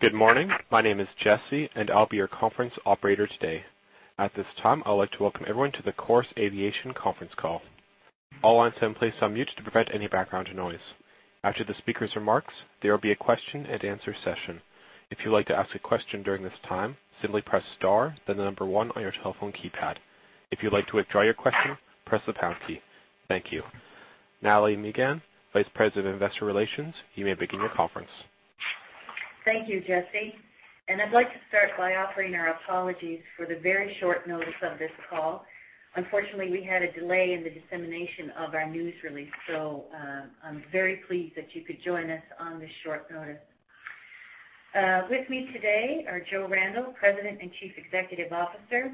Good morning. My name is Jesse, and I'll be your conference operator today. At this time, I'd like to welcome everyone to the Chorus Aviation Conference Call. All on-site employees are muted to prevent any background noise. After the speaker's remarks, there will be a question-and-answer session. If you'd like to ask a question during this time, simply press star, then the number one on your telephone keypad. If you'd like to withdraw your question, press the pound key. Thank you. Nathalie Megann, Vice President of Investor Relations, you may begin your conference. Thank you, Jesse. I'd like to start by offering our apologies for the very short notice of this call. Unfortunately, we had a delay in the dissemination of our news release, so I'm very pleased that you could join us on this short notice. With me today are Joe Randell, President and Chief Executive Officer,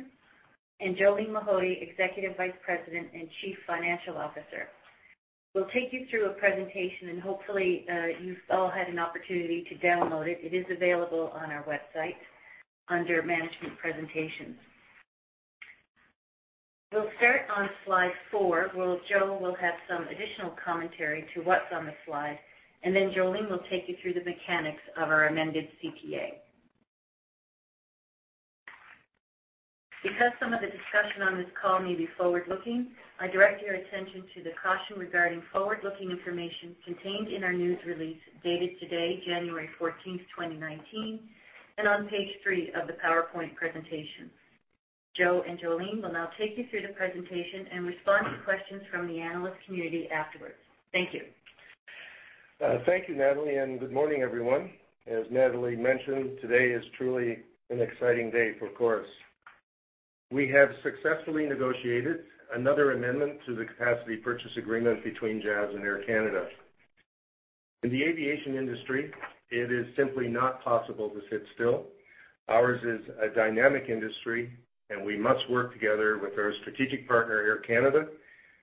and Jolene Mahody, Executive Vice President and Chief Financial Officer. We'll take you through a presentation, and hopefully, you've all had an opportunity to download it. It is available on our website under Management Presentations. We'll start on slide four, where Joe will have some additional commentary to what's on the slide, and then Jolene will take you through the mechanics of our amended CPA. Because some of the discussion on this call may be forward-looking, I direct your attention to the caution regarding forward-looking information contained in our news release dated today, January 14, 2019, and on page 3 of the PowerPoint presentation. Joe and Jolene will now take you through the presentation and respond to questions from the analyst community afterwards. Thank you. Thank you, Nathalie, and good morning, everyone. As Nathalie mentioned, today is truly an exciting day for Chorus. We have successfully negotiated another amendment to the capacity purchase agreement between Jazz and Air Canada. In the aviation industry, it is simply not possible to sit still. Ours is a dynamic industry, and we must work together with our strategic partner, Air Canada,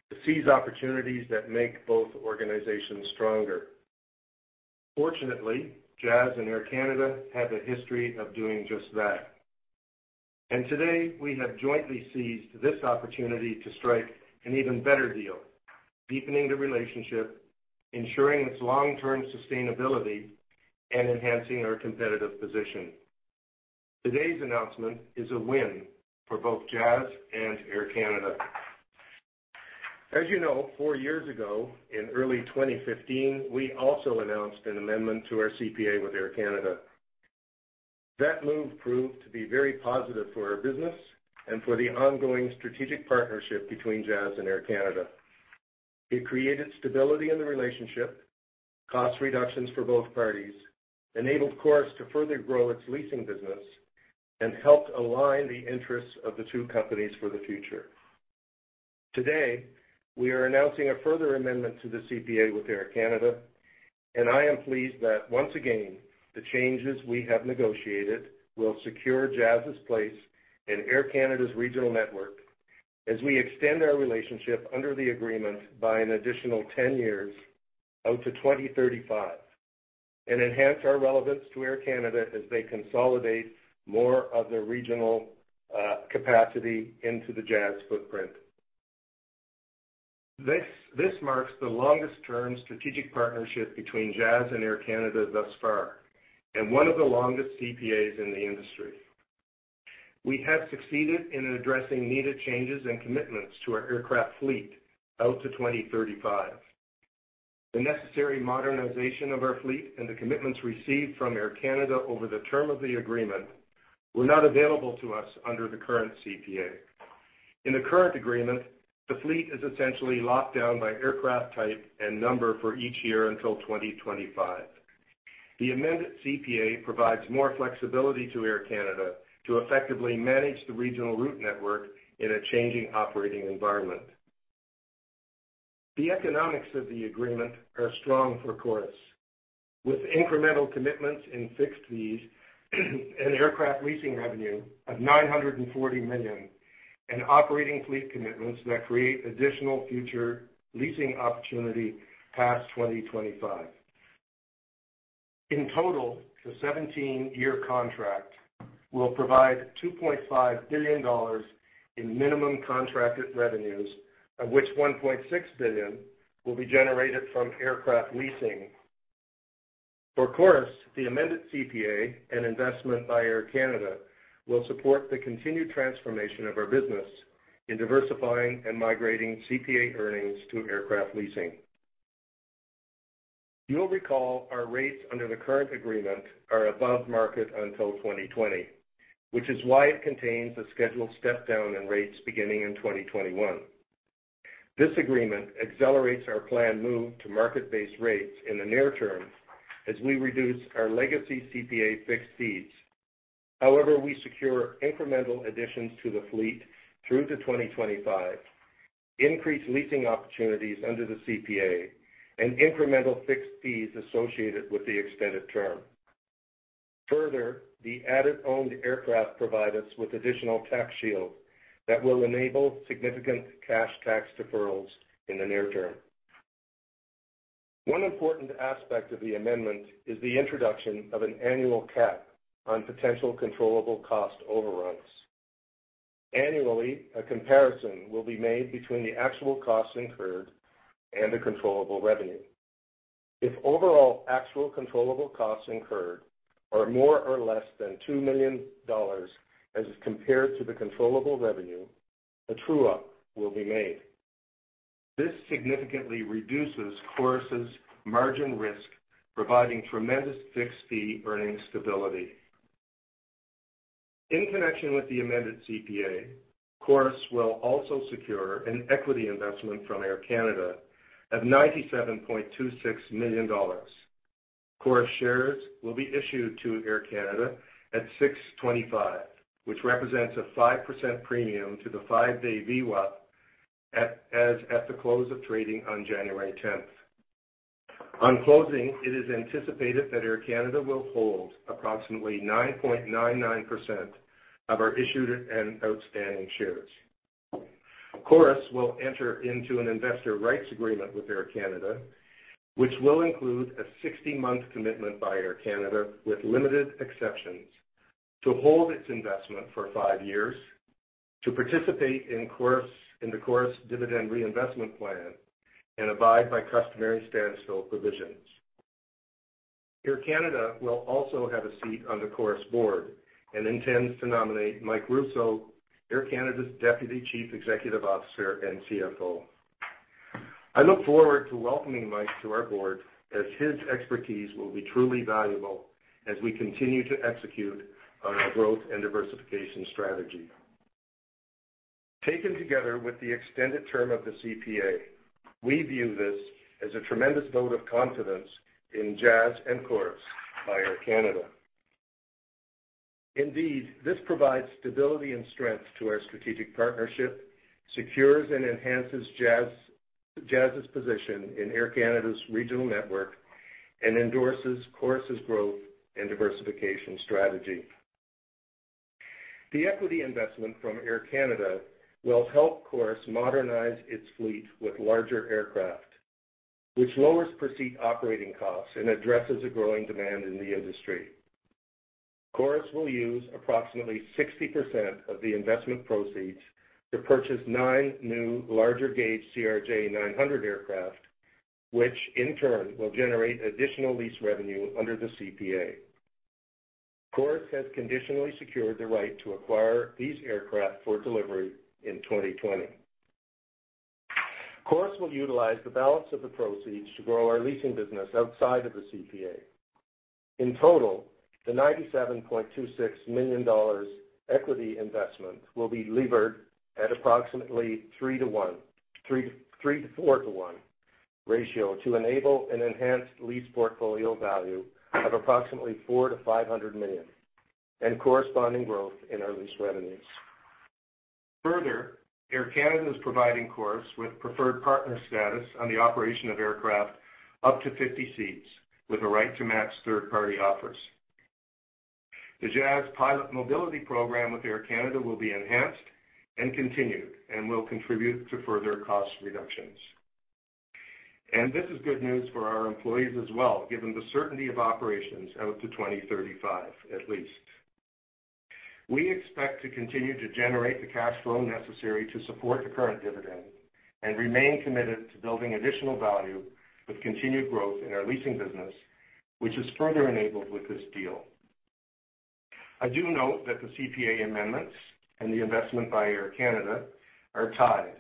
to seize opportunities that make both organizations stronger. Fortunately, Jazz and Air Canada have a history of doing just that. Today, we have jointly seized this opportunity to strike an even better deal, deepening the relationship, ensuring its long-term sustainability, and enhancing our competitive position. Today's announcement is a win for both Jazz and Air Canada. As you know, four years ago, in early 2015, we also announced an amendment to our CPA with Air Canada. That move proved to be very positive for our business and for the ongoing strategic partnership between Jazz and Air Canada. It created stability in the relationship, cost reductions for both parties, enabled Chorus to further grow its leasing business, and helped align the interests of the two companies for the future. Today, we are announcing a further amendment to the CPA with Air Canada, and I am pleased that, once again, the changes we have negotiated will secure Jazz's place in Air Canada's regional network as we extend our relationship under the agreement by an additional 10 years, out to 2035, and enhance our relevance to Air Canada as they consolidate more of their regional capacity into the Jazz footprint. This marks the longest-term strategic partnership between Jazz and Air Canada thus far, and one of the longest CPAs in the industry. We have succeeded in addressing needed changes and commitments to our aircraft fleet out to 2035. The necessary modernization of our fleet and the commitments received from Air Canada over the term of the agreement were not available to us under the current CPA. In the current agreement, the fleet is essentially locked down by aircraft type and number for each year until 2025. The amended CPA provides more flexibility to Air Canada to effectively manage the regional route network in a changing operating environment. The economics of the agreement are strong for Chorus, with incremental commitments in fixed fees and aircraft leasing revenue of 940 million and operating fleet commitments that create additional future leasing opportunity past 2025. In total, the 17-year contract will provide 2.5 billion dollars in minimum contracted revenues, of which 1.6 billion will be generated from aircraft leasing. For Chorus, the amended CPA and investment by Air Canada will support the continued transformation of our business in diversifying and migrating CPA earnings to aircraft leasing. You'll recall our rates under the current agreement are above market until 2020, which is why it contains a scheduled step-down in rates beginning in 2021. This agreement accelerates our planned move to market-based rates in the near term as we reduce our legacy CPA fixed fees. However, we secure incremental additions to the fleet through to 2025, increased leasing opportunities under the CPA, and incremental fixed fees associated with the extended term. Further, the add-on owned aircraft provides us with additional tax shields that will enable significant cash tax deferrals in the near term. One important aspect of the amendment is the introduction of an annual cap on potential controllable cost overruns. Annually, a comparison will be made between the actual costs incurred and the controllable revenue. If overall actual controllable costs incurred are more or less than $2 million as compared to the controllable revenue, a true-up will be made. This significantly reduces Chorus's margin risk, providing tremendous fixed fee earnings stability. In connection with the amended CPA, Chorus will also secure an equity investment from Air Canada of $97.26 million. Chorus shares will be issued to Air Canada at 6.25, which represents a 5% premium to the five-day VWAP as at the close of trading on January 10. On closing, it is anticipated that Air Canada will hold approximately 9.99% of our issued and outstanding shares. Chorus will enter into an investor rights agreement with Air Canada, which will include a 60-month commitment by Air Canada, with limited exceptions, to hold its investment for five years, to participate in the Chorus dividend reinvestment plan, and abide by customary standstill provisions. Air Canada will also have a seat on the Chorus board and intends to nominate Mike Rousseau, Air Canada's Deputy Chief Executive Officer and CFO. I look forward to welcoming Mike to our board as his expertise will be truly valuable as we continue to execute on our growth and diversification strategy. Taken together with the extended term of the CPA, we view this as a tremendous vote of confidence in Jazz and Chorus by Air Canada. Indeed, this provides stability and strength to our strategic partnership, secures and enhances Jazz's position in Air Canada's regional network, and endorses Chorus's growth and diversification strategy. The equity investment from Air Canada will help Chorus modernize its fleet with larger aircraft, which lowers perceived operating costs and addresses a growing demand in the industry. Chorus will use approximately 60% of the investment proceeds to purchase 9 new larger-gauge CRJ900 aircraft, which, in turn, will generate additional lease revenue under the CPA. Chorus has conditionally secured the right to acquire these aircraft for delivery in 2020. Chorus will utilize the balance of the proceeds to grow our leasing business outside of the CPA. In total, the 97.26 million dollars equity investment will be levered at approximately 3-to-1, 3-to-4-to-1 ratio to enable an enhanced lease portfolio value of approximately 400 million-500 million and corresponding growth in our lease revenues. Further, Air Canada is providing Chorus with preferred partner status on the operation of aircraft up to 50 seats, with a right to match third-party offers. The Jazz pilot mobility program with Air Canada will be enhanced and continued and will contribute to further cost reductions. This is good news for our employees as well, given the certainty of operations out to 2035, at least. We expect to continue to generate the cash flow necessary to support the current dividend and remain committed to building additional value with continued growth in our leasing business, which is further enabled with this deal. I do note that the CPA amendments and the investment by Air Canada are tied,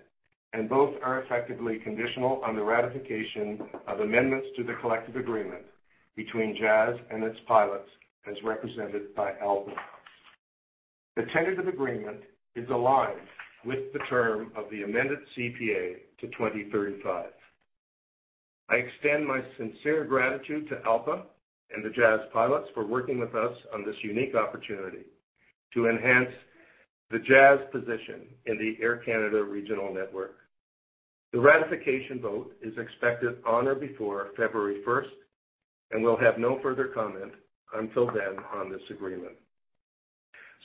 and both are effectively conditional on the ratification of amendments to the collective agreement between Jazz and its pilots, as represented by ALPA. The tentative agreement is aligned with the term of the amended CPA to 2035. I extend my sincere gratitude to ALPA and the Jazz pilots for working with us on this unique opportunity to enhance the Jazz position in the Air Canada regional network. The ratification vote is expected on or before February 1, and we'll have no further comment until then on this agreement.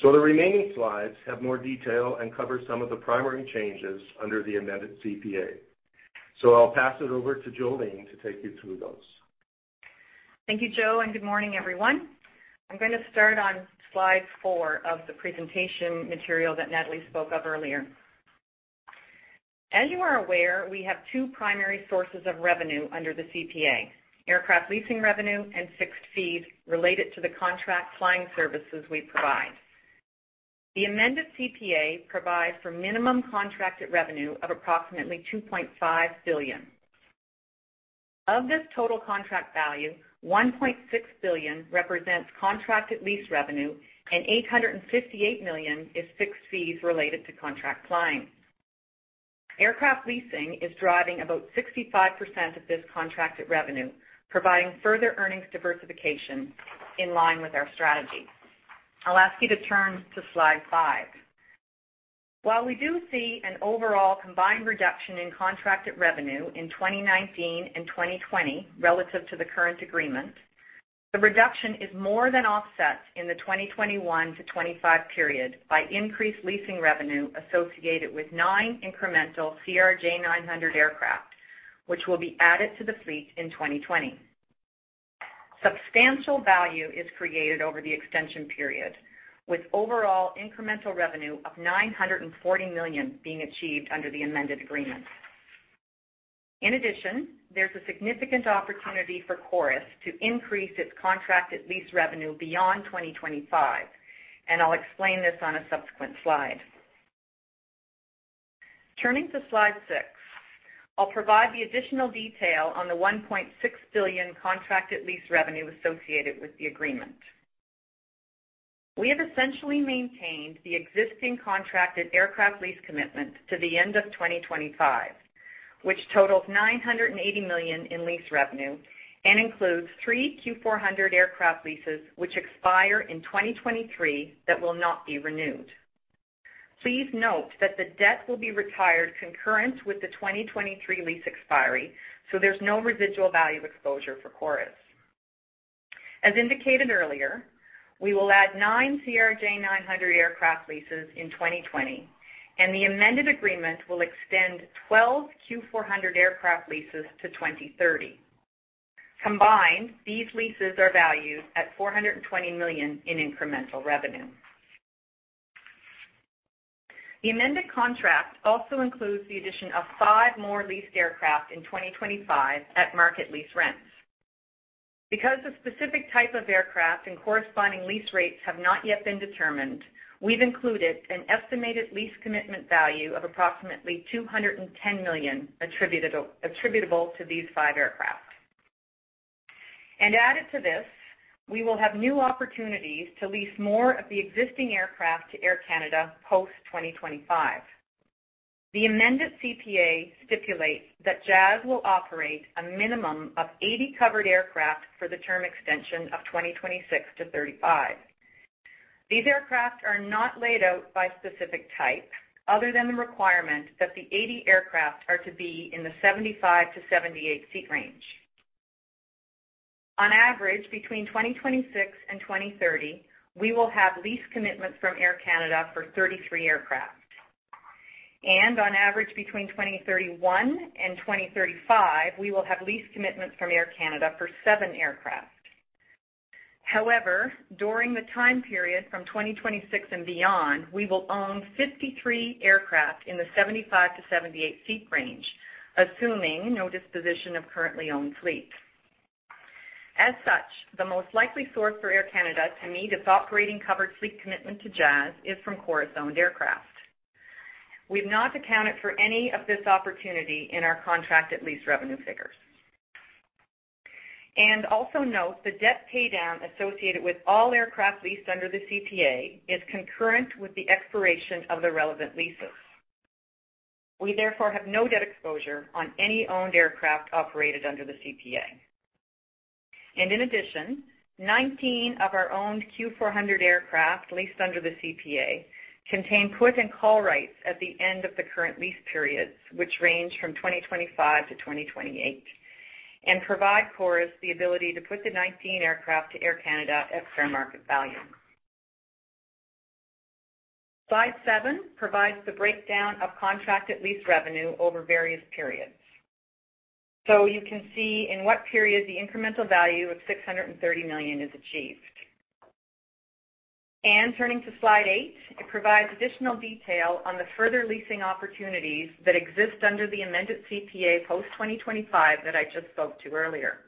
So the remaining slides have more detail and cover some of the primary changes under the amended CPA. So I'll pass it over to Jolene to take you through those. Thank you, Joe, and good morning, everyone. I'm going to start on slide 4 of the presentation material that Natalie spoke of earlier. As you are aware, we have 2 primary sources of revenue under the CPA: aircraft leasing revenue and fixed fees related to the contract flying services we provide. The amended CPA provides for minimum contracted revenue of approximately 2.5 billion. Of this total contract value, 1.6 billion represents contracted lease revenue, and 858 million is fixed fees related to contract flying. Aircraft leasing is driving about 65% of this contracted revenue, providing further earnings diversification in line with our strategy. I'll ask you to turn to slide 5. While we do see an overall combined reduction in contracted revenue in 2019 and 2020 relative to the current agreement, the reduction is more than offset in the 2021 to 2025 period by increased leasing revenue associated with nine incremental CRJ-900 aircraft, which will be added to the fleet in 2020. Substantial value is created over the extension period, with overall incremental revenue of 940 million being achieved under the amended agreement. In addition, there's a significant opportunity for Chorus to increase its contracted lease revenue beyond 2025, and I'll explain this on a subsequent slide. Turning to slide six, I'll provide the additional detail on the 1.6 billion contracted lease revenue associated with the agreement. We have essentially maintained the existing contracted aircraft lease commitment to the end of 2025, which totals 980 million in lease revenue and includes 3 Q400 aircraft leases which expire in 2023 that will not be renewed. Please note that the debt will be retired concurrent with the 2023 lease expiry, so there's no residual value exposure for Chorus. As indicated earlier, we will add 9 CRJ900 aircraft leases in 2020, and the amended agreement will extend 12 Q400 aircraft leases to 2030. Combined, these leases are valued at 420 million in incremental revenue. The amended contract also includes the addition of 5 more leased aircraft in 2025 at market lease rents. Because the specific type of aircraft and corresponding lease rates have not yet been determined, we've included an estimated lease commitment value of approximately 210 million attributable to these 5 aircraft. And added to this, we will have new opportunities to lease more of the existing aircraft to Air Canada post-2025. The amended CPA stipulates that Jazz will operate a minimum of 80 covered aircraft for the term extension of 2026 to 2035. These aircraft are not laid out by specific type other than the requirement that the 80 aircraft are to be in the 75-78 seat range. On average, between 2026 and 2030, we will have lease commitments from Air Canada for 33 aircraft. And on average, between 2031 and 2035, we will have lease commitments from Air Canada for seven aircraft. However, during the time period from 2026 and beyond, we will own 53 aircraft in the 75-78 seat range, assuming no disposition of currently owned fleet. As such, the most likely source for Air Canada to meet its operating covered fleet commitment to Jazz is from Chorus-owned aircraft. We've not accounted for any of this opportunity in our contracted lease revenue figures. And also note the debt paydown associated with all aircraft leased under the CPA is concurrent with the expiration of the relevant leases. We, therefore, have no debt exposure on any owned aircraft operated under the CPA. And in addition, 19 of our owned Q400 aircraft leased under the CPA contain put and call rights at the end of the current lease periods, which range from 2025 to 2028, and provide Chorus the ability to put the 19 aircraft to Air Canada at fair market value. Slide seven provides the breakdown of contracted lease revenue over various periods. So you can see in what period the incremental value of 630 million is achieved. Turning to slide 8, it provides additional detail on the further leasing opportunities that exist under the amended CPA post-2025 that I just spoke to earlier.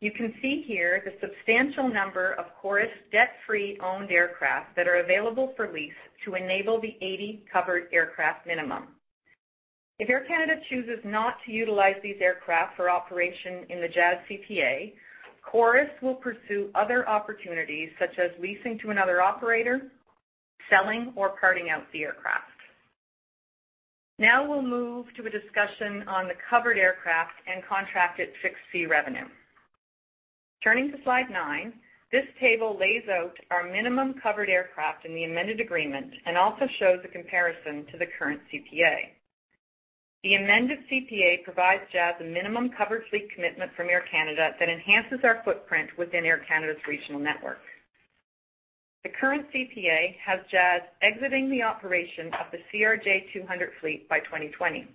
You can see here the substantial number of Chorus debt-free owned aircraft that are available for lease to enable the 80 covered aircraft minimum. If Air Canada chooses not to utilize these aircraft for operation in the Jazz CPA, Chorus will pursue other opportunities such as leasing to another operator, selling, or parting out the aircraft. Now we'll move to a discussion on the covered aircraft and contracted fixed fee revenue. Turning to slide 9, this table lays out our minimum covered aircraft in the amended agreement and also shows a comparison to the current CPA. The amended CPA provides Jazz a minimum covered fleet commitment from Air Canada that enhances our footprint within Air Canada's regional network. The current CPA has Jazz exiting the operation of the CRJ-200 fleet by 2020.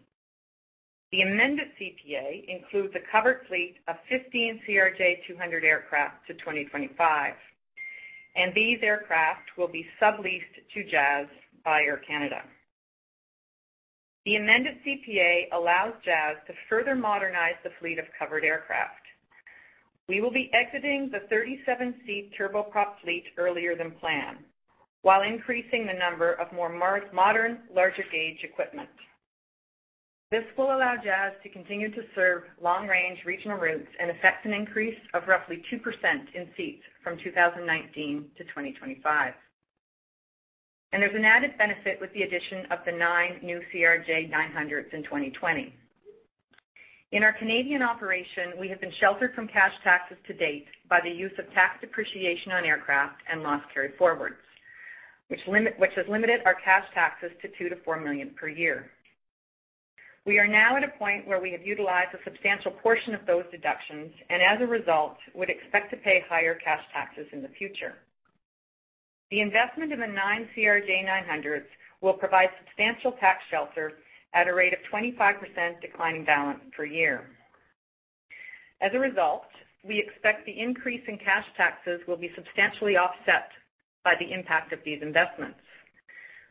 The amended CPA includes a covered fleet of 15 CRJ-200 aircraft to 2025, and these aircraft will be subleased to Jazz by Air Canada. The amended CPA allows Jazz to further modernize the fleet of covered aircraft. We will be exiting the 37-seat turboprop fleet earlier than planned, while increasing the number of more modern, larger-gauge equipment. This will allow Jazz to continue to serve long-range regional routes and affect an increase of roughly 2% in seats from 2019 to 2025. There's an added benefit with the addition of the 9 new CRJ-900s in 2020. In our Canadian operation, we have been sheltered from cash taxes to date by the use of tax depreciation on aircraft and loss carry forwards, which has limited our cash taxes to $2-$4 million per year. We are now at a point where we have utilized a substantial portion of those deductions and, as a result, would expect to pay higher cash taxes in the future. The investment in the 9 CRJ-900s will provide substantial tax shelter at a rate of 25% declining balance per year. As a result, we expect the increase in cash taxes will be substantially offset by the impact of these investments.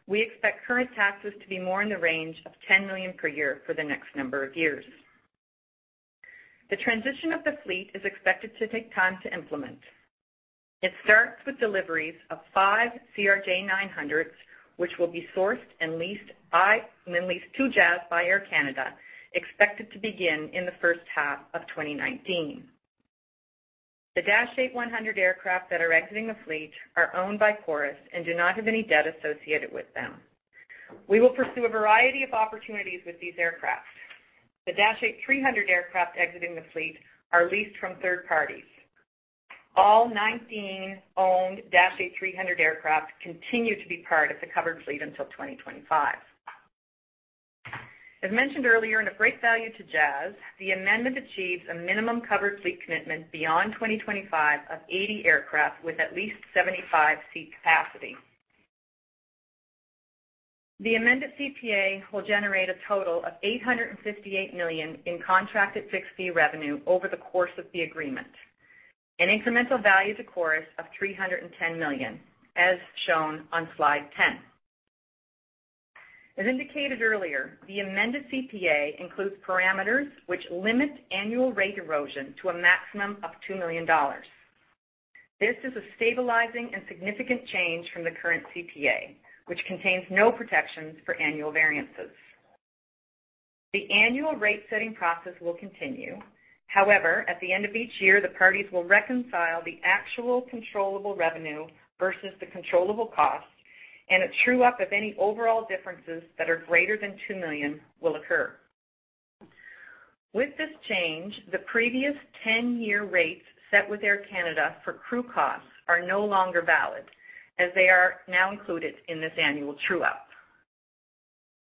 We expect current taxes to be more in the range of $10 million per year for the next number of years. The transition of the fleet is expected to take time to implement. It starts with deliveries of 5 CRJ-900s, which will be sourced and leased by and then leased to Jazz by Air Canada, expected to begin in the first half of 2019. The Dash 8-100 aircraft that are exiting the fleet are owned by Chorus and do not have any debt associated with them. We will pursue a variety of opportunities with these aircraft. The Dash 8-300 aircraft exiting the fleet are leased from third parties. All 19 owned Dash 8-300 aircraft continue to be part of the covered fleet until 2025. As mentioned earlier, of great value to Jazz, the amendment achieves a minimum covered fleet commitment beyond 2025 of 80 aircraft with at least 75-seat capacity. The amended CPA will generate a total of $858 million in contracted fixed fee revenue over the course of the agreement, an incremental value to Chorus of $310 million, as shown on slide 10. As indicated earlier, the amended CPA includes parameters which limit annual rate erosion to a maximum of $2 million. This is a stabilizing and significant change from the current CPA, which contains no protections for annual variances. The annual rate-setting process will continue. However, at the end of each year, the parties will reconcile the actual controllable revenue versus the controllable cost, and a true-up of any overall differences that are greater than 2 million will occur. With this change, the previous 10-year rates set with Air Canada for crew costs are no longer valid, as they are now included in this annual true-up.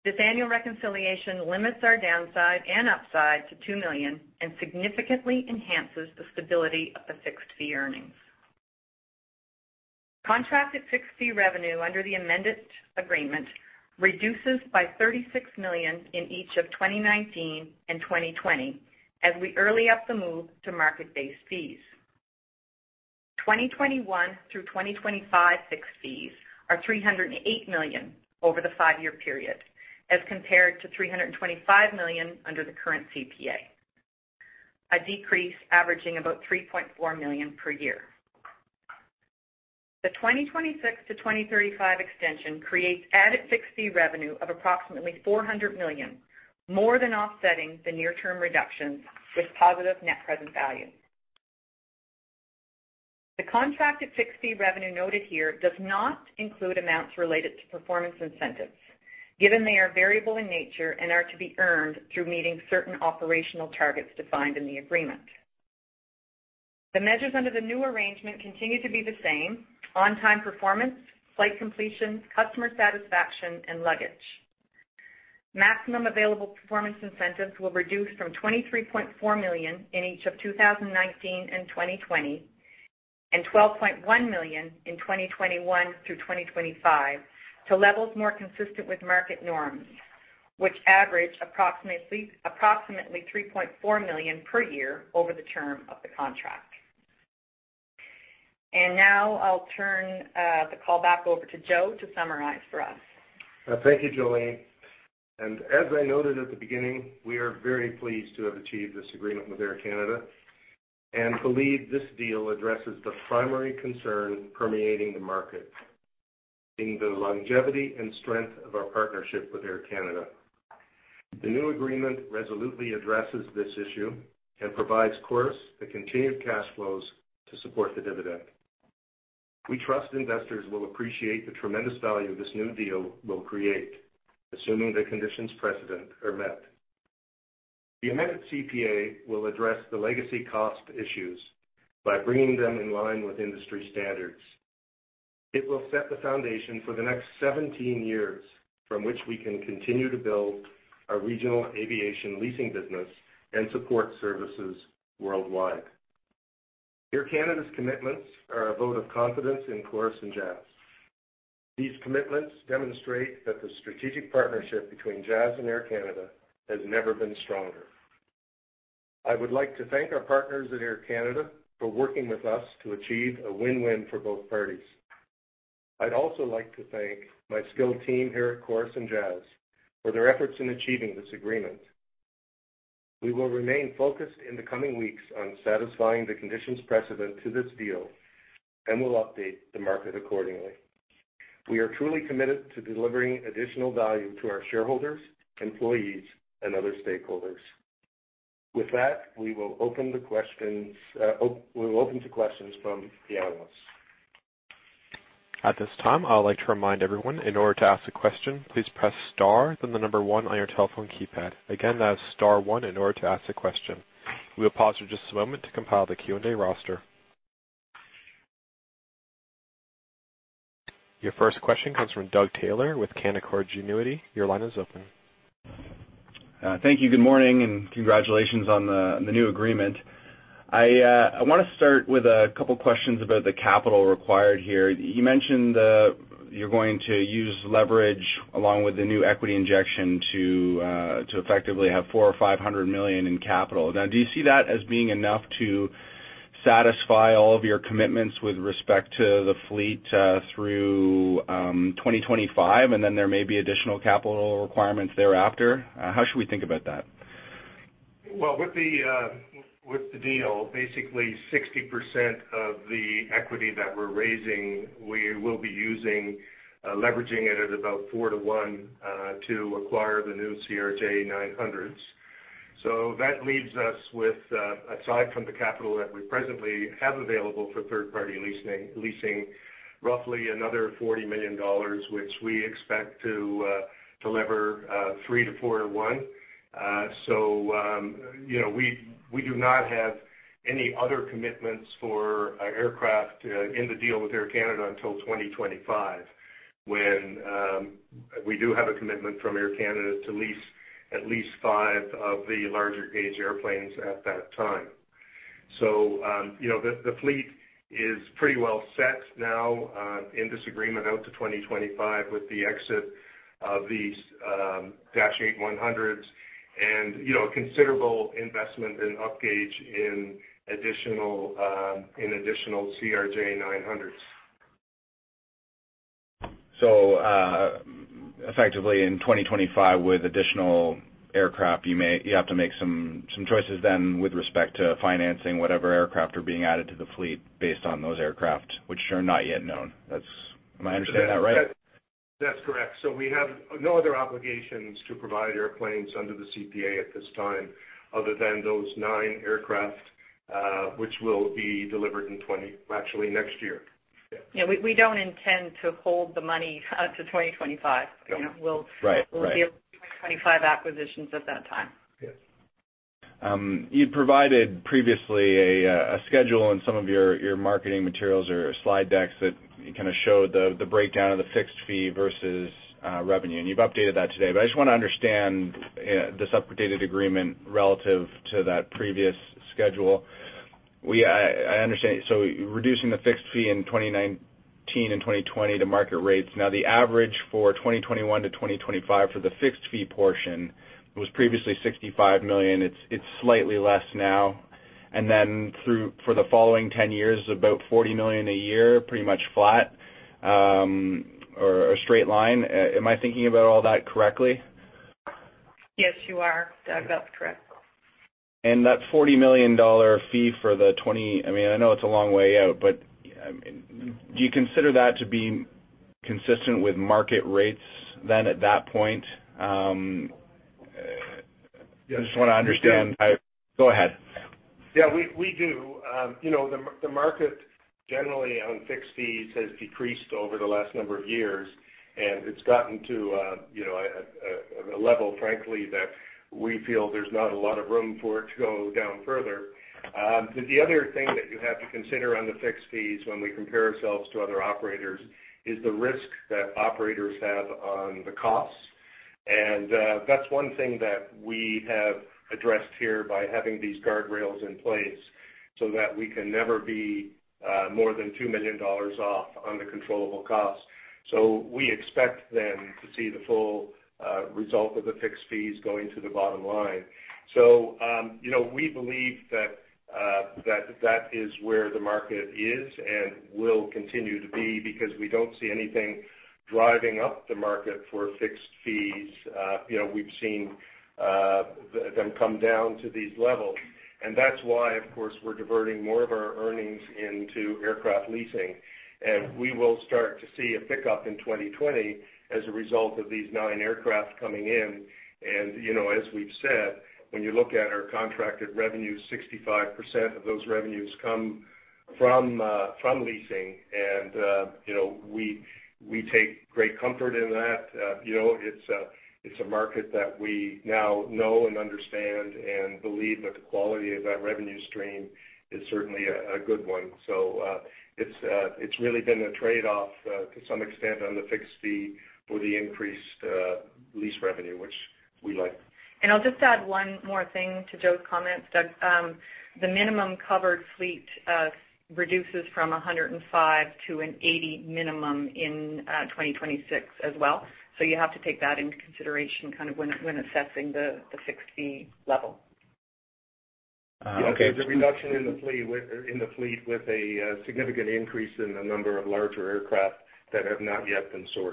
This annual reconciliation limits our downside and upside to 2 million and significantly enhances the stability of the fixed fee earnings. Contracted fixed fee revenue under the amended agreement reduces by 36 million in each of 2019 and 2020, as we early up the move to market-based fees. 2021 through 2025 fixed fees are 308 million over the five-year period, as compared to 325 million under the current CPA, a decrease averaging about 3.4 million per year. The 2026 to 2035 extension creates added fixed fee revenue of approximately 400 million, more than offsetting the near-term reductions with positive net present value. The contracted fixed fee revenue noted here does not include amounts related to performance incentives, given they are variable in nature and are to be earned through meeting certain operational targets defined in the agreement. The measures under the new arrangement continue to be the same: on-time performance, flight completion, customer satisfaction, and luggage. Maximum available performance incentives will reduce from 23.4 million in each of 2019 and 2020, and 12.1 million in 2021 through 2025, to levels more consistent with market norms, which average approximately 3.4 million per year over the term of the contract. And now I'll turn the call back over to Joe to summarize for us. Thank you, Jolene. As I noted at the beginning, we are very pleased to have achieved this agreement with Air Canada and believe this deal addresses the primary concern permeating the market, being the longevity and strength of our partnership with Air Canada. The new agreement resolutely addresses this issue and provides Chorus the continued cash flows to support the dividend. We trust investors will appreciate the tremendous value this new deal will create, assuming the conditions precedent are met. The amended CPA will address the legacy cost issues by bringing them in line with industry standards. It will set the foundation for the next 17 years from which we can continue to build our regional aviation leasing business and support services worldwide. Air Canada's commitments are a vote of confidence in Chorus and Jazz. These commitments demonstrate that the strategic partnership between Jazz and Air Canada has never been stronger. I would like to thank our partners at Air Canada for working with us to achieve a win-win for both parties. I'd also like to thank my skilled team here at Chorus and Jazz for their efforts in achieving this agreement. We will remain focused in the coming weeks on satisfying the conditions precedent to this deal and will update the market accordingly. We are truly committed to delivering additional value to our shareholders, employees, and other stakeholders. With that, we will open the questions to questions from the panelists. At this time, I'd like to remind everyone, in order to ask a question, please press star, then the number one on your telephone keypad. Again, that is star one in order to ask a question. We will pause for just a moment to compile the Q&A roster. Your first question comes from Doug Taylor with Canaccord Genuity. Your line is open. Thank you. Good morning and congratulations on the new agreement. I want to start with a couple of questions about the capital required here. You mentioned you're going to use leverage along with the new equity injection to effectively have $400million or $500 million in capital. Now, do you see that as being enough to satisfy all of your commitments with respect to the fleet through 2025, and then there may be additional capital requirements thereafter? How should we think about that? Well, with the deal, basically 60% of the equity that we're raising, we will be leveraging it at about 4-to-1 to acquire the new CRJ-900s. So that leaves us with, aside from the capital that we presently have available for third-party leasing, roughly another 40 million dollars, which we expect to deliver 3 to 4 to 1. So we do not have any other commitments for aircraft in the deal with Air Canada until 2025, when we do have a commitment from Air Canada to lease at least 5 of the larger-gauge airplanes at that time. So the fleet is pretty well set now in this agreement out to 2025 with the exit of these Dash 8-100s and a considerable investment in upgauge in additional CRJ-900s. So effectively in 2025, with additional aircraft, you have to make some choices then with respect to financing whatever aircraft are being added to the fleet based on those aircraft, which are not yet known. Am I understanding that right? That's correct. So we have no other obligations to provide airplanes under the CPA at this time other than those 9 aircraft, which will be delivered in 2020 actually next year. Yeah. We don't intend to hold the money out to 2025. We'll deal with 2025 acquisitions at that time. Yes. You'd provided previously a schedule in some of your marketing materials or slide decks that kind of showed the breakdown of the fixed fee versus revenue. And you've updated that today. But I just want to understand this updated agreement relative to that previous schedule. I understand. So reducing the fixed fee in 2019 and 2020 to market rates. Now, the average for 2021 to 2025 for the fixed fee portion was previously $65 million. It's slightly less now. And then for the following 10 years, about $40 million a year, pretty much flat or a straight line. Am I thinking about all that correctly? Yes, you are. That's correct. And that $40 million fee for the 20, I mean, I know it's a long way out, but do you consider that to be consistent with market rates then at that point? I just want to understand. Go ahead. Yeah. We do. The market generally on fixed fees has decreased over the last number of years, and it's gotten to a level, frankly, that we feel there's not a lot of room for it to go down further. The other thing that you have to consider on the fixed fees when we compare ourselves to other operators is the risk that operators have on the costs. And that's one thing that we have addressed here by having these guardrails in place so that we can never be more than $2 million off on the controllable costs. So we expect then to see the full result of the fixed fees going to the bottom line. So we believe that that is where the market is and will continue to be because we don't see anything driving up the market for fixed fees. We've seen them come down to these levels. And that's why, of course, we're diverting more of our earnings into aircraft leasing. And we will start to see a pickup in 2020 as a result of these 9 aircraft coming in. And as we've said, when you look at our contracted revenue, 65% of those revenues come from leasing. And we take great comfort in that. It's a market that we now know and understand and believe that the quality of that revenue stream is certainly a good one. So it's really been a trade-off to some extent on the fixed fee for the increased lease revenue, which we like. And I'll just add one more thing to Joe's comments. The minimum covered fleet reduces from 105 to an 80 minimum in 2026 as well. So you have to take that into consideration kind of when assessing the fixed fee level. Okay. The reduction in the fleet with a significant increase in the number of larger aircraft that have not yet been sourced.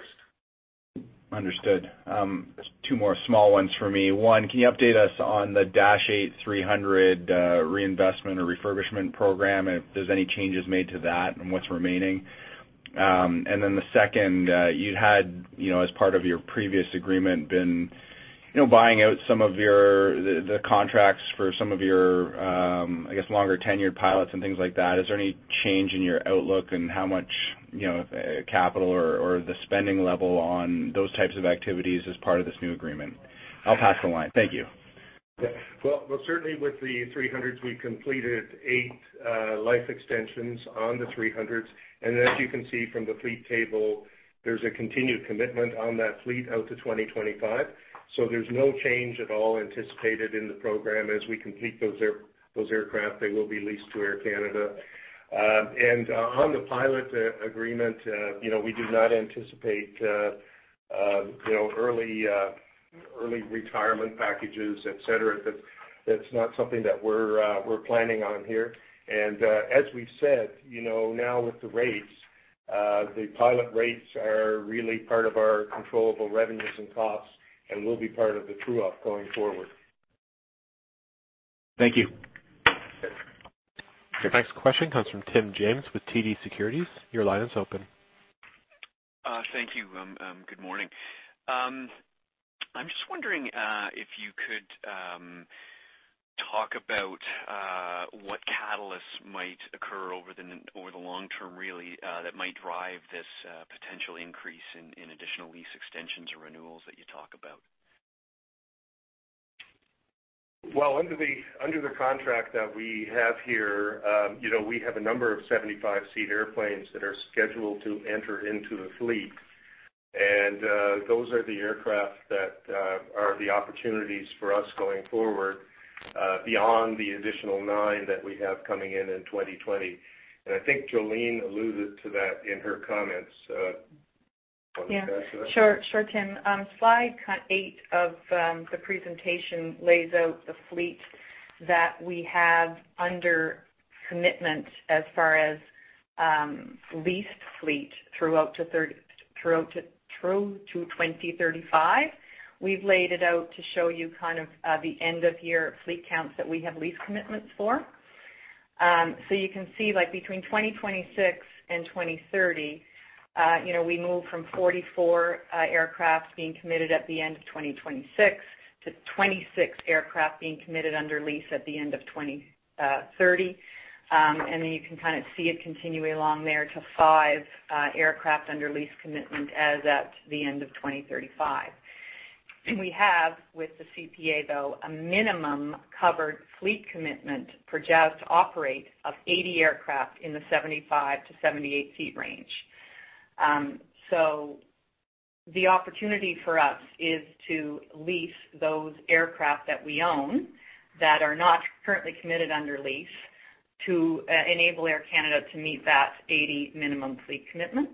Understood. Two more small ones for me. One, can you update us on the Dash 8-300 reinvestment or refurbishment program, if there's any changes made to that and what's remaining? And then the second, you'd had, as part of your previous agreement, been buying out some of the contracts for some of your, I guess, longer-tenured pilots and things like that. Is there any change in your outlook in how much capital or the spending level on those types of activities as part of this new agreement? I'll pass the line. Thank you. Well, certainly with the 300s, we completed 8 life extensions on the 300s. And as you can see from the fleet table, there's a continued commitment on that fleet out to 2025. So there's no change at all anticipated in the program. As we complete those aircraft, they will be leased to Air Canada. And on the pilot agreement, we do not anticipate early retirement packages, etc. That's not something that we're planning on here. And as we've said, now with the rates, the pilot rates are really part of our controllable revenues and costs and will be part of the true-up going forward. Thank you. Next question comes from Tim James with TD Securities. Your line is open. Thank you. Good morning. I'm just wondering if you could talk about what catalysts might occur over the long term, really, that might drive this potential increase in additional lease extensions or renewals that you talk about. Well, under the contract that we have here, we have a number of 75-seat airplanes that are scheduled to enter into the fleet. And those are the aircraft that are the opportunities for us going forward beyond the additional 9 that we have coming in in 2020. And I think Jolene alluded to that in her comments. Yeah. Sure, Tim. Slide 8 of the presentation lays out the fleet that we have under commitment as far as leased fleet throughout to 2035. We've laid it out to show you kind of the end-of-year fleet counts that we have lease commitments for. So you can see between 2026 and 2030, we moved from 44 aircraft being committed at the end of 2026 to 26 aircraft being committed under lease at the end of 2030. Then you can kind of see it continue along there to 5 aircraft under lease commitment as at the end of 2035. We have, with the CPA, though, a minimum covered fleet commitment for Jazz to operate of 80 aircraft in the 75-78-seat range. So the opportunity for us is to lease those aircraft that we own that are not currently committed under lease to enable Air Canada to meet that 80 minimum fleet commitment.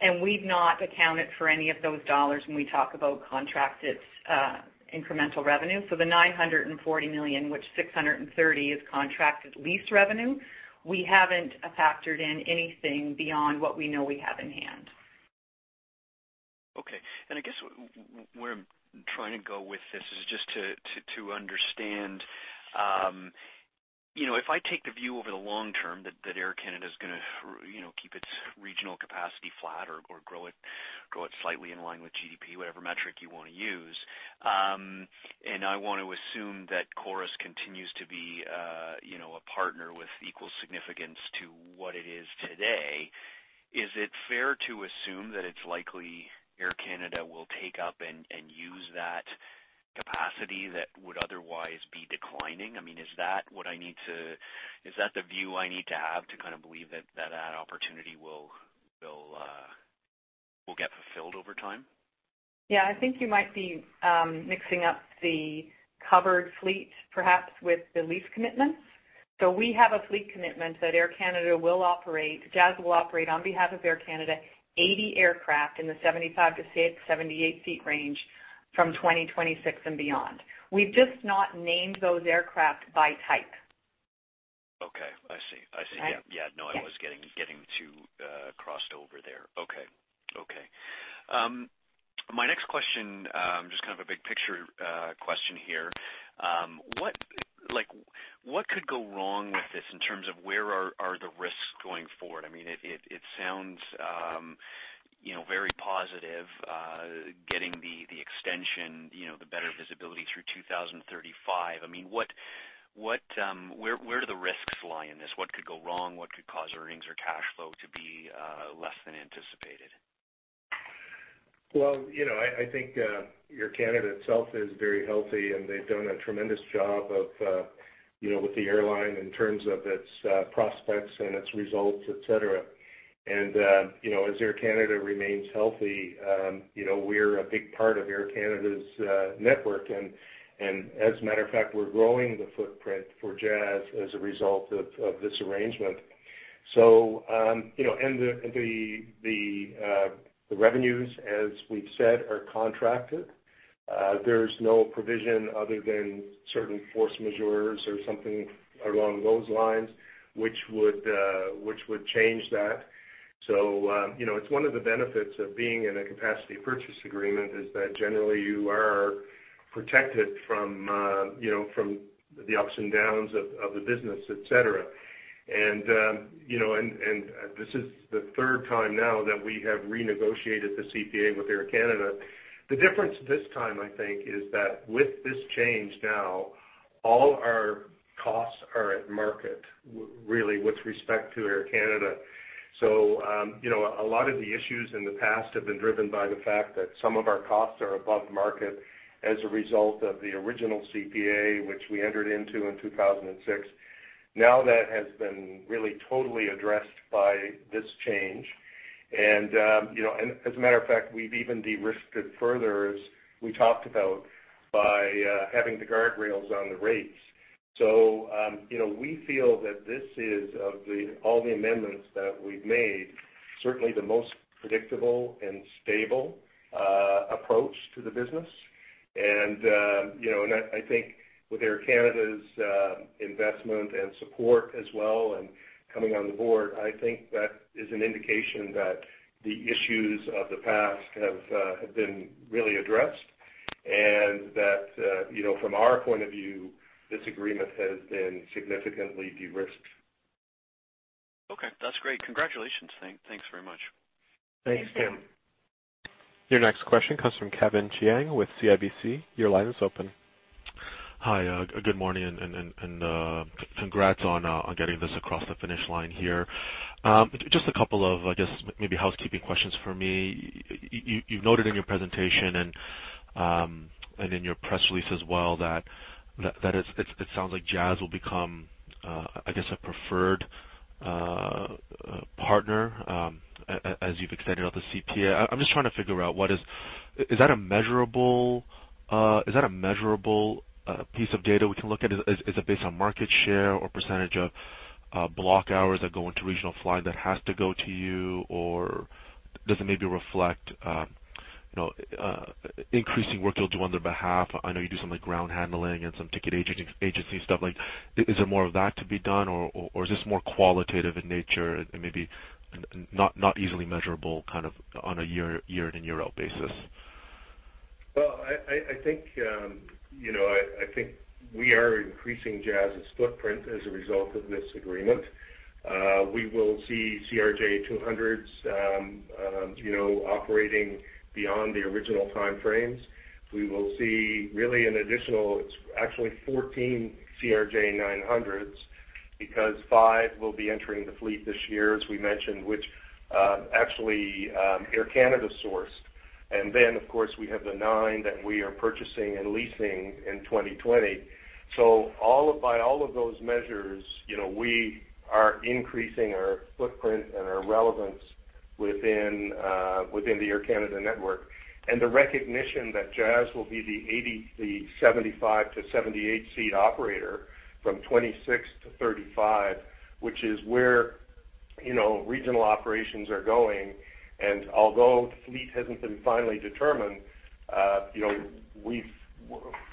And we've not accounted for any of those dollars when we talk about contracted incremental revenue. So the $940 million, which $630 is contracted lease revenue, we haven't factored in anything beyond what we know we have in hand. Okay. And I guess where I'm trying to go with this is just to understand, if I take the view over the long term that Air Canada is going to keep its regional capacity flat or grow it slightly in line with GDP, whatever metric you want to use, and I want to assume that Chorus continues to be a partner with equal significance to what it is today, is it fair to assume that it's likely Air Canada will take up and use that capacity that would otherwise be declining? I mean, is that what I need to is that the view I need to have to kind of believe that that opportunity will get fulfilled over time? Yeah. I think you might be mixing up the covered fleet perhaps with the lease commitments. So we have a fleet commitment that Air Canada will operate, Jazz will operate on behalf of Air Canada, 80 aircraft in the 75-78-seat range from 2026 and beyond. We've just not named those aircraft by type. Okay. I see. I see. Yeah. Yeah. No, I was getting too crossed over there. Okay. Okay. My next question, just kind of a big picture question here. What could go wrong with this in terms of where are the risks going forward? I mean, it sounds very positive getting the extension, the better visibility through 2035. I mean, where do the risks lie in this? What could go wrong? What could cause earnings or cash flow to be less than anticipated? Well, I think Air Canada itself is very healthy, and they've done a tremendous job with the airline in terms of its prospects and its results, etc. As Air Canada remains healthy, we're a big part of Air Canada's network. As a matter of fact, we're growing the footprint for Jazz as a result of this arrangement. The revenues, as we've said, are contracted. There's no provision other than certain force majeures or something along those lines, which would change that. It's one of the benefits of being in a capacity purchase agreement is that generally you are protected from the ups and downs of the business, etc. This is the third time now that we have renegotiated the CPA with Air Canada. The difference this time, I think, is that with this change now, all our costs are at market, really, with respect to Air Canada. So a lot of the issues in the past have been driven by the fact that some of our costs are above market as a result of the original CPA, which we entered into in 2006. Now that has been really totally addressed by this change. And as a matter of fact, we've even de-risked it further, as we talked about, by having the guardrails on the rates. So we feel that this is, of all the amendments that we've made, certainly the most predictable and stable approach to the business. And I think with Air Canada's investment and support as well and coming on the board, I think that is an indication that the issues of the past have been really addressed and that, from our point of view, this agreement has been significantly de-risked. Okay. That's great. Congratulations. Thanks very much. Thanks, Tim. Your next question comes from Kevin Chiang with CIBC. Your line is open. Hi. Good morning and congrats on getting this across the finish line here. Just a couple of, I guess, maybe housekeeping questions for me. You've noted in your presentation and in your press release as well that it sounds like Jazz will become, I guess, a preferred partner as you've extended out the CPA. I'm just trying to figure out what it is. Is that a measurable piece of data we can look at? Is it based on market share or percentage of block hours that go into regional flying that has to go to you? Or does it maybe reflect increasing work you'll do on their behalf? I know you do some ground handling and some ticket agency stuff. Is there more of that to be done, or is this more qualitative in nature and maybe not easily measurable kind of on a year-in-and-year-out basis? Well, I think we are increasing Jazz's footprint as a result of this agreement. We will see CRJ 200s operating beyond the original time frames. We will see really an additional, it's actually 14 CRJ 900s because 5 will be entering the fleet this year, as we mentioned, which actually Air Canada sourced. And then, of course, we have the 9 that we are purchasing and leasing in 2020. So by all of those measures, we are increasing our footprint and our relevance within the Air Canada network. And the recognition that Jazz will be the 75-78-seat operator from 26-35, which is where regional operations are going. Although the fleet hasn't been finally determined,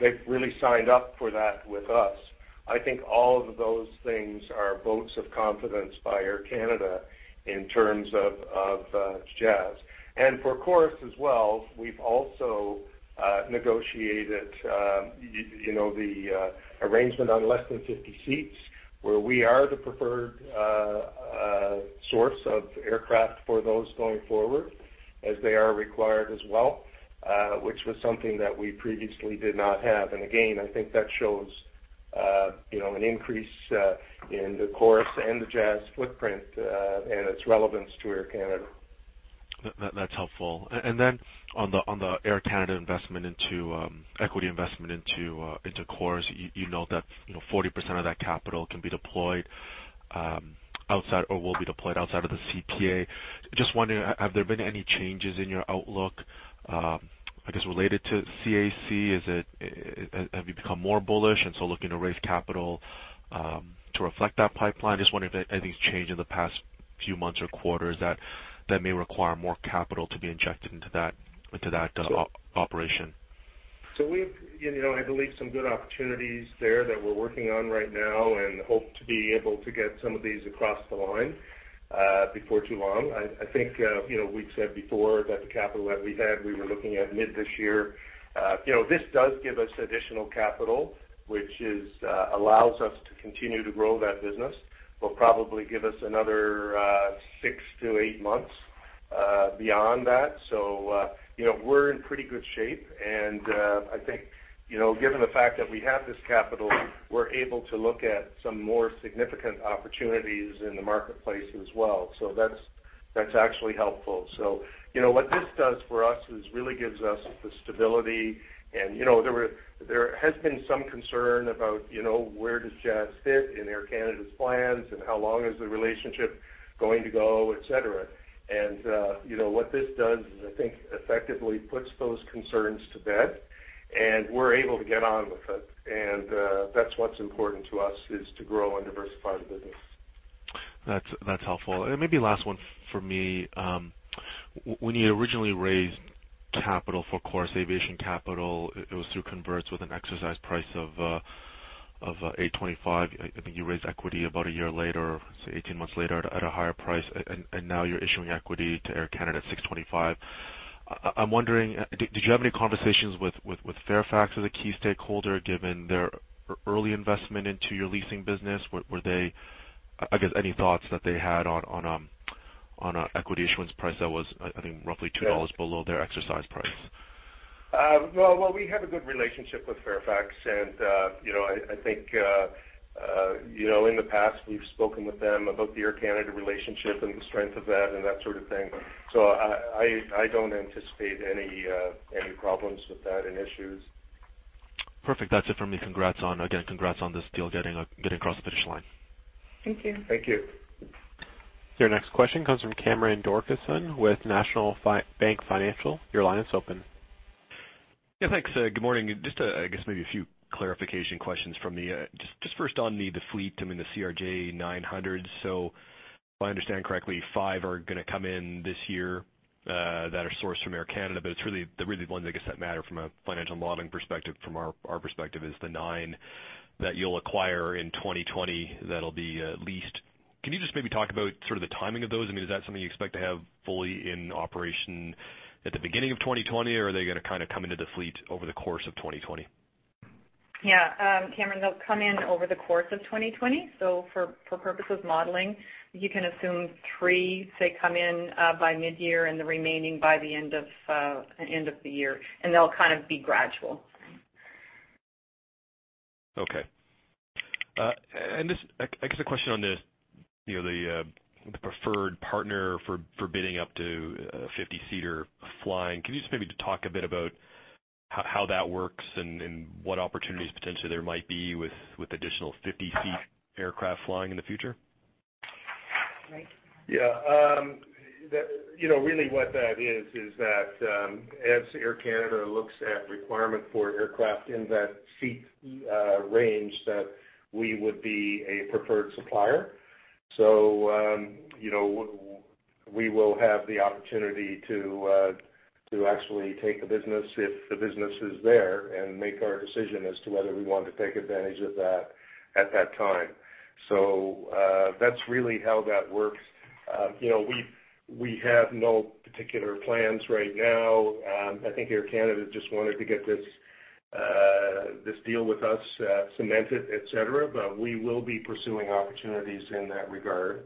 they've really signed up for that with us. I think all of those things are votes of confidence by Air Canada in terms of Jazz. And for Chorus as well, we've also negotiated the arrangement on less than 50 seats, where we are the preferred source of aircraft for those going forward as they are required as well, which was something that we previously did not have. And again, I think that shows an increase in the Chorus and the Jazz footprint and its relevance to Air Canada. That's helpful. And then on the Air Canada investment into equity investment into Chorus, you note that 40% of that capital can be deployed outside or will be deployed outside of the CPA. Just wondering, have there been any changes in your outlook, I guess, related to CAC? Have you become more bullish and so looking to raise capital to reflect that pipeline? Just wondering if anything's changed in the past few months or quarters that may require more capital to be injected into that operation. So we have, I believe, some good opportunities there that we're working on right now and hope to be able to get some of these across the line before too long. I think we've said before that the capital that we had, we were looking at mid this year. This does give us additional capital, which allows us to continue to grow that business, but probably give us another six to eight months beyond that. So we're in pretty good shape. And I think given the fact that we have this capital, we're able to look at some more significant opportunities in the marketplace as well. So that's actually helpful. So what this does for us is really gives us the stability. And there has been some concern about where does Jazz fit in Air Canada's plans and how long is the relationship going to go, etc. And what this does is, I think, effectively puts those concerns to bed, and we're able to get on with it. And that's what's important to us, is to grow and diversify the business. That's helpful. And maybe last one for me. When you originally raised capital for Chorus Aviation Capital, it was through convertibles with an exercise price of 8.25. I think you raised equity about a year later, say 18 months later, at a higher price. And now you're issuing equity to Air Canada at 6.25. I'm wondering, did you have any conversations with Fairfax as a key stakeholder given their early investment into your leasing business? Were they, I guess, any thoughts that they had on an equity issuance price that was, I think, roughly $2 below their exercise price? Well, we have a good relationship with Fairfax. And I think in the past, we've spoken with them about the Air Canada relationship and the strength of that and that sort of thing. So I don't anticipate any problems with that and issues. Perfect. That's it for me. Again, congrats on this deal getting across the finish line. Thank you. Thank you. Your next question comes from Cameron Doerksen with National Bank Financial. Your line is open. Yeah. Thanks. Good morning. Just, I guess, maybe a few clarification questions from me. Just first on the fleet, I mean, the CRJ 900s. So if I understand correctly, 5 are going to come in this year that are sourced from Air Canada. But it's really the really ones, I guess, that matter from a financial modeling perspective. From our perspective, it's the 9 that you'll acquire in 2020 that'll be leased. Can you just maybe talk about sort of the timing of those? I mean, is that something you expect to have fully in operation at the beginning of 2020, or are they going to kind of come into the fleet over the course of 2020? Yeah. Cameron, they'll come in over the course of 2020. So for purposes modeling, you can assume 3, say, come in by mid-year and the remaining by the end of the year. And they'll kind of be gradual. Okay. And I guess a question on the preferred partner for bidding up to 50-seater flying. Can you just maybe talk a bit about how that works and what opportunities potentially there might be with additional 50-seat aircraft flying in the future? Yeah. Really, what that is, is that as Air Canada looks at requirement for aircraft in that seat range, that we would be a preferred supplier. So we will have the opportunity to actually take the business if the business is there and make our decision as to whether we want to take advantage of that at that time. So that's really how that works. We have no particular plans right now. I think Air Canada just wanted to get this deal with us cemented, etc. But we will be pursuing opportunities in that regard.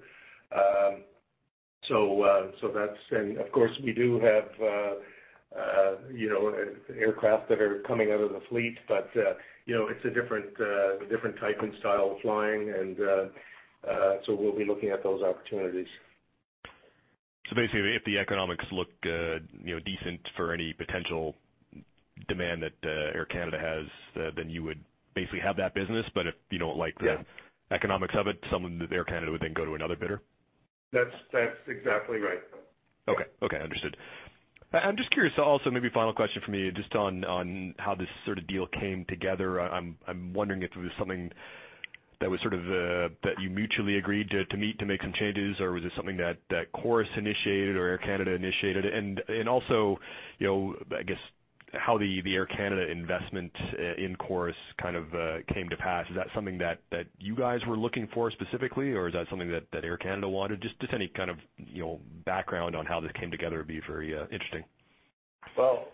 So that's, and of course, we do have aircraft that are coming out of the fleet, but it's a different type and style of flying. We'll be looking at those opportunities. So basically, if the economics look decent for any potential demand that Air Canada has, then you would basically have that business. But if you don't like the economics of it, some of Air Canada would then go to another bidder? That's exactly right. Okay. Okay. Understood. I'm just curious. Also, maybe final question for me, just on how this sort of deal came together. I'm wondering if it was something that was sort of that you mutually agreed to meet to make some changes, or was it something that Chorus initiated or Air Canada initiated? And also, I guess, how the Air Canada investment in Chorus kind of came to pass. Is that something that you guys were looking for specifically, or is that something that Air Canada wanted? Just any kind of background on how this came together would be very interesting. Well,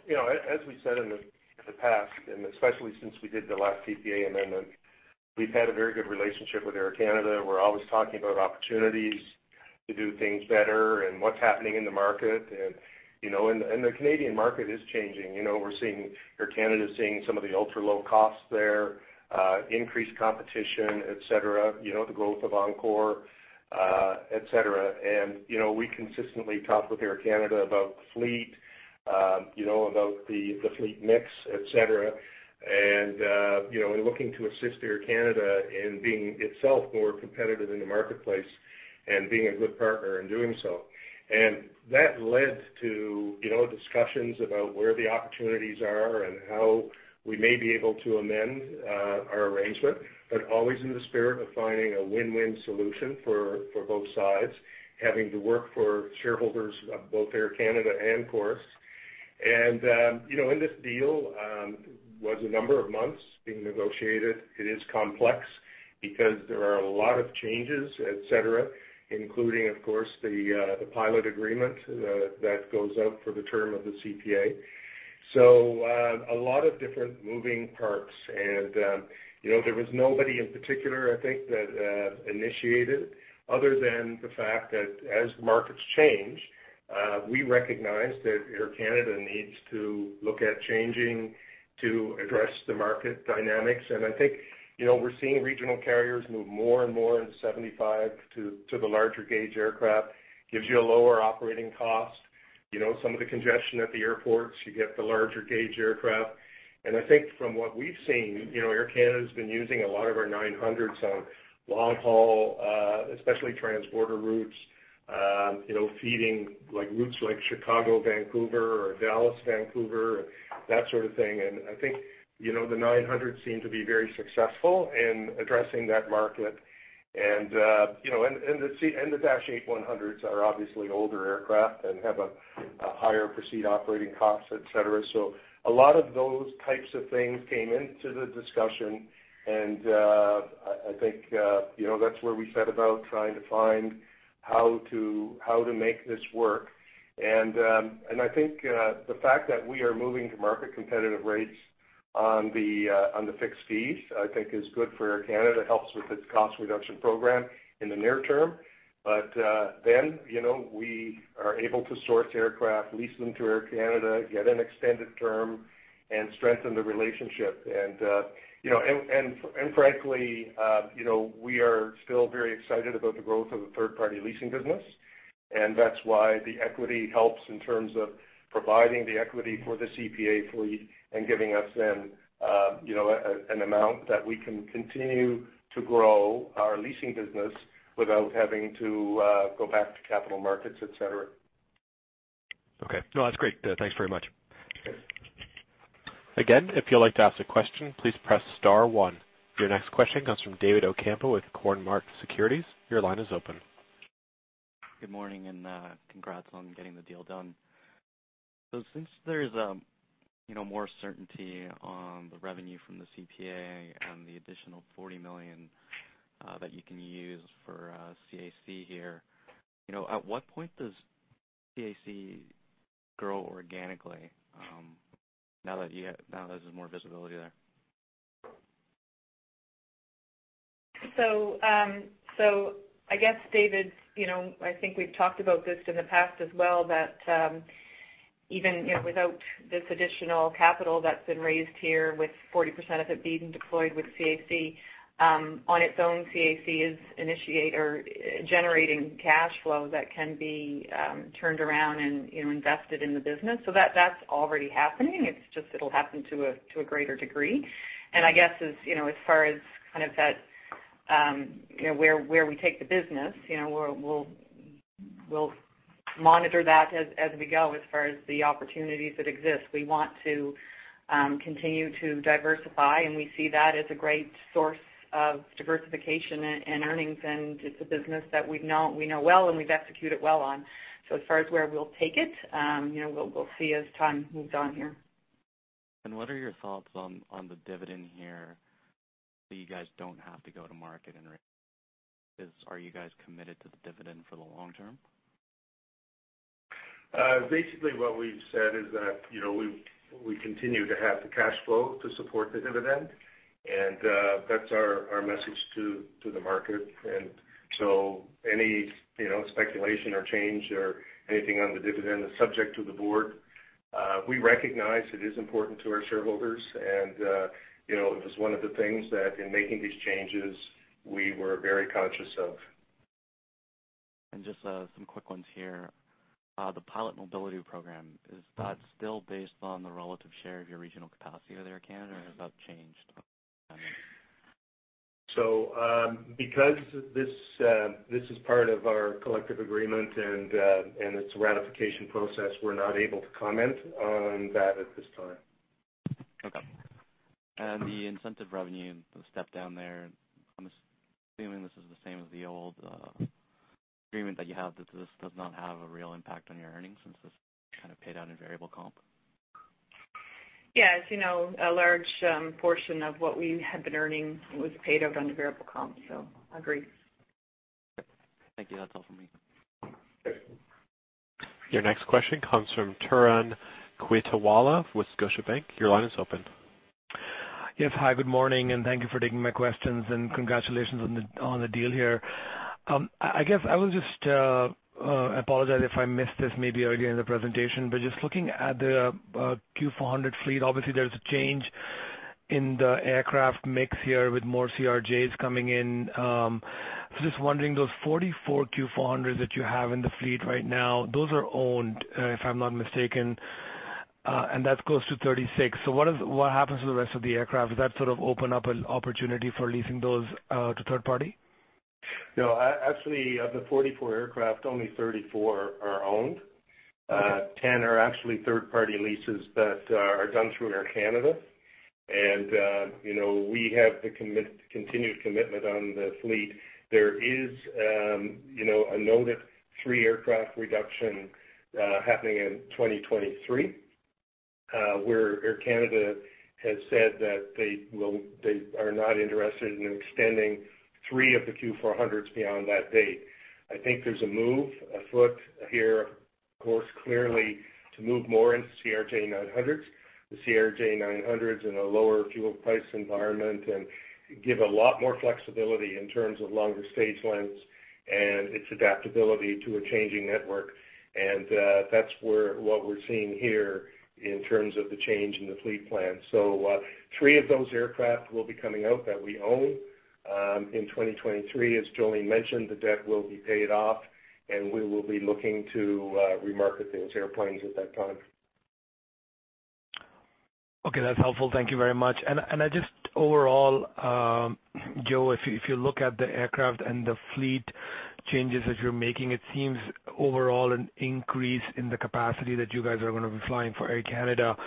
as we said in the past, and especially since we did the last CPA amendment, we've had a very good relationship with Air Canada. We're always talking about opportunities to do things better and what's happening in the market. The Canadian market is changing. Air Canada is seeing some of the ultra-low costs there, increased competition, etc., the growth of Encore, etc. We consistently talk with Air Canada about fleet, about the fleet mix, etc., and looking to assist Air Canada in being itself more competitive in the marketplace and being a good partner in doing so. That led to discussions about where the opportunities are and how we may be able to amend our arrangement, but always in the spirit of finding a win-win solution for both sides, having to work for shareholders of both Air Canada and Chorus. In this deal, it was a number of months being negotiated. It is complex because there are a lot of changes, etc., including, of course, the pilot agreement that goes up for the term of the CPA. So a lot of different moving parts. There was nobody in particular, I think, that initiated it other than the fact that as the markets change, we recognize that Air Canada needs to look at changing to address the market dynamics. I think we're seeing regional carriers move more and more into 75- to the larger gauge aircraft. It gives you a lower operating cost. Some of the congestion at the airports, you get the larger gauge aircraft. And I think from what we've seen, Air Canada has been using a lot of our 900s on long-haul, especially transborder routes, feeding routes like Chicago, Vancouver, or Dallas, Vancouver, that sort of thing. And I think the 900s seem to be very successful in addressing that market. And the Dash 8-100s are obviously older aircraft and have a higher perceived operating cost, etc. So a lot of those types of things came into the discussion. And I think that's where we set about trying to find how to make this work. And I think the fact that we are moving to market competitive rates on the fixed fees, I think, isgood for Air Canada. It helps with its cost reduction program in the near term. But then we are able to source aircraft, lease them to Air Canada, get an extended term, and strengthen the relationship. And frankly, we are still very excited about the growth of the third-party leasing business. And that's why the equity helps in terms of providing the equity for the CPA fleet and giving us then an amount that we can continue to grow our leasing business without having to go back to capital markets, etc. Okay. No, that's great. Thanks very much. Again, if you'd like to ask a question, please press star one. Your next question comes from David Ocampo with Cormark Securities. Your line is open. Good morning and congrats on getting the deal done. So since there's more certainty on the revenue from the CPA and the additional 40 million that you can use for CAC here, at what point does CAC grow organically now that there's more visibility there? So I guess, David, I think we've talked about this in the past as well, that even without this additional capital that's been raised here with 40% of it being deployed with CAC, on its own, CAC is generating cash flow that can be turned around and invested in the business. So that's already happening. It's just it'll happen to a greater degree. And I guess as far as kind of where we take the business, we'll monitor that as we go as far as the opportunities that exist. We want to continue to diversify, and we see that as a great source of diversification and earnings. It's a business that we know well and we've executed well on. As far as where we'll take it, we'll see as time moves on here. What are your thoughts on the dividend here that you guys don't have to go to market? Are you guys committed to the dividend for the long term? Basically, what we've said is that we continue to have the cash flow to support the dividend. That's our message to the market. So any speculation or change or anything on the dividend is subject to the board. We recognize it is important to our shareholders. It was one of the things that in making these changes, we were very conscious of. Just some quick ones here. The pilot mobility program, is that still based on the relative share of your regional capacity with Air Canada, or has that changed? So because this is part of our collective agreement and its ratification process, we're not able to comment on that at this time. Okay. And the incentive revenue, the step down there, I'm assuming this is the same as the old agreement that you have, that this does not have a real impact on your earnings since this is kind of paid out in variable comp? Yeah. As you know, a large portion of what we had been earning was paid out under variable comp. So I agree. Okay. Thank you. That's all from me. Your next question comes from Turan Quettawala with Scotiabank. Your line is open. Yes. Hi. Good morning. And thank you for taking my questions and congratulations on the deal here. I guess I will just apologize if I missed this maybe earlier in the presentation. But just looking at the Q400 fleet, obviously, there's a change in the aircraft mix here with more CRJs coming in. So just wondering, those 44 Q400s that you have in the fleet right now, those are owned, if I'm not mistaken, and that goes to 36. So what happens to the rest of the aircraft? Does that sort of open up an opportunity for leasing those to third-party? No. Actually, of the 44 aircraft, only 34 are owned. 10 are actually third-party leases that are done through Air Canada. And we have the continued commitment on the fleet. There is a noted 3 aircraft reduction happening in 2023, where Air Canada has said that they are not interested in extending 3 of the Q400s beyond that date. I think there's a move afoot here, of course, clearly to move more into CRJ900s. The CRJ900s in a lower fuel price environment and give a lot more flexibility in terms of longer stage lengths and its adaptability to a changing network. And that's what we're seeing here in terms of the change in the fleet plan. So three of those aircraft will be coming out that we own in 2023. As Jolene mentioned, the debt will be paid off, and we will be looking to remarket those airplanes at that time. Okay. That's helpful. Thank you very much. And I just overall, Joe, if you look at the aircraft and the fleet changes that you're making, it seems overall an increase in the capacity that you guys are going to be flying for Air Canada.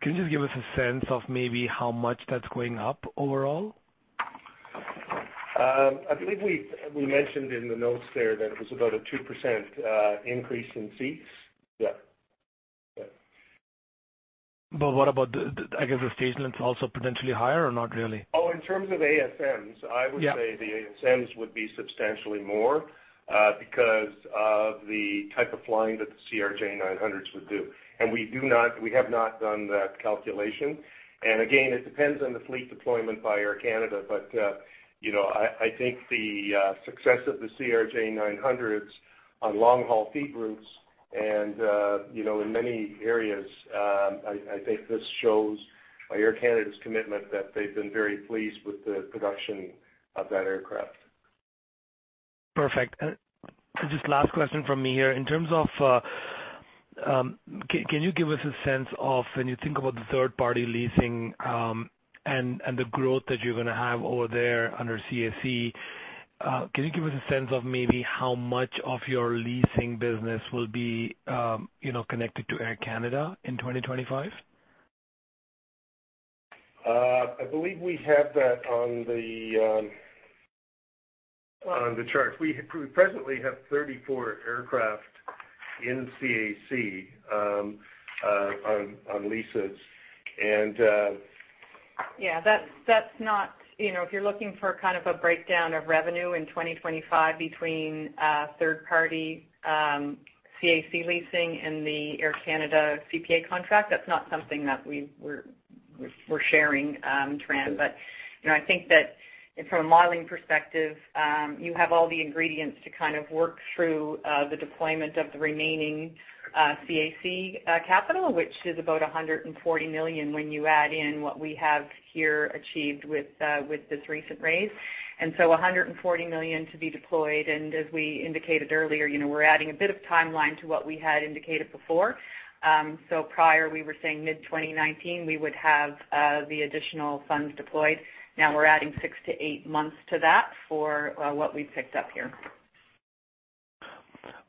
Can you just give us a sense of maybe how much that's going up overall? I believe we mentioned in the notes there that it was about a 2% increase in seats. Yeah. Yeah. But what about, I guess, the stage lengths also potentially higher or not really? Oh, in terms of ASMs, I would say the ASMs would be substantially more because of the type of flying that the CRJ900s would do. And we have not done that calculation. And again, it depends on the fleet deployment by Air Canada. But I think the success of the CRJ900s on long-haul feed groups and in many areas, I think this shows Air Canada's commitment that they've been very pleased with the production of that aircraft. Perfect. Just last question from me here. In terms of can you give us a sense of when you think about the third-party leasing and the growth that you're going to have over there under CAC, can you give us a sense of maybe how much of your leasing business will be connected to Air Canada in 2025? I believe we have that on the chart. We presently have 34 aircraft in CAC on leases. And yeah, that's not if you're looking for kind of a breakdown of revenue in 2025 between third-party CAC leasing and the Air Canada CPA contract, that's not something that we're sharing, Turan. But I think that from a modeling perspective, you have all the ingredients to kind of work through the deployment of the remaining CAC capital, which is about 140 million when you add in what we have here achieved with this recent raise. So 140 million to be deployed. And as we indicated earlier, we're adding a bit of timeline to what we had indicated before. So prior, we were saying mid-2019, we would have the additional funds deployed. Now we're adding 6-8 months to that for what we've picked up here.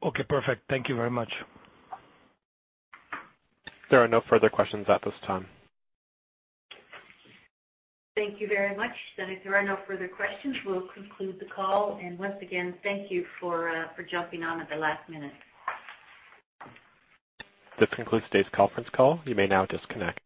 Okay. Perfect. Thank you very much. There are no further questions at this time. Thank you very much. And if there are no further questions, we'll conclude the call. And once again, thank you for jumping on at the last minute. This concludes today's conference call. You may now disconnect.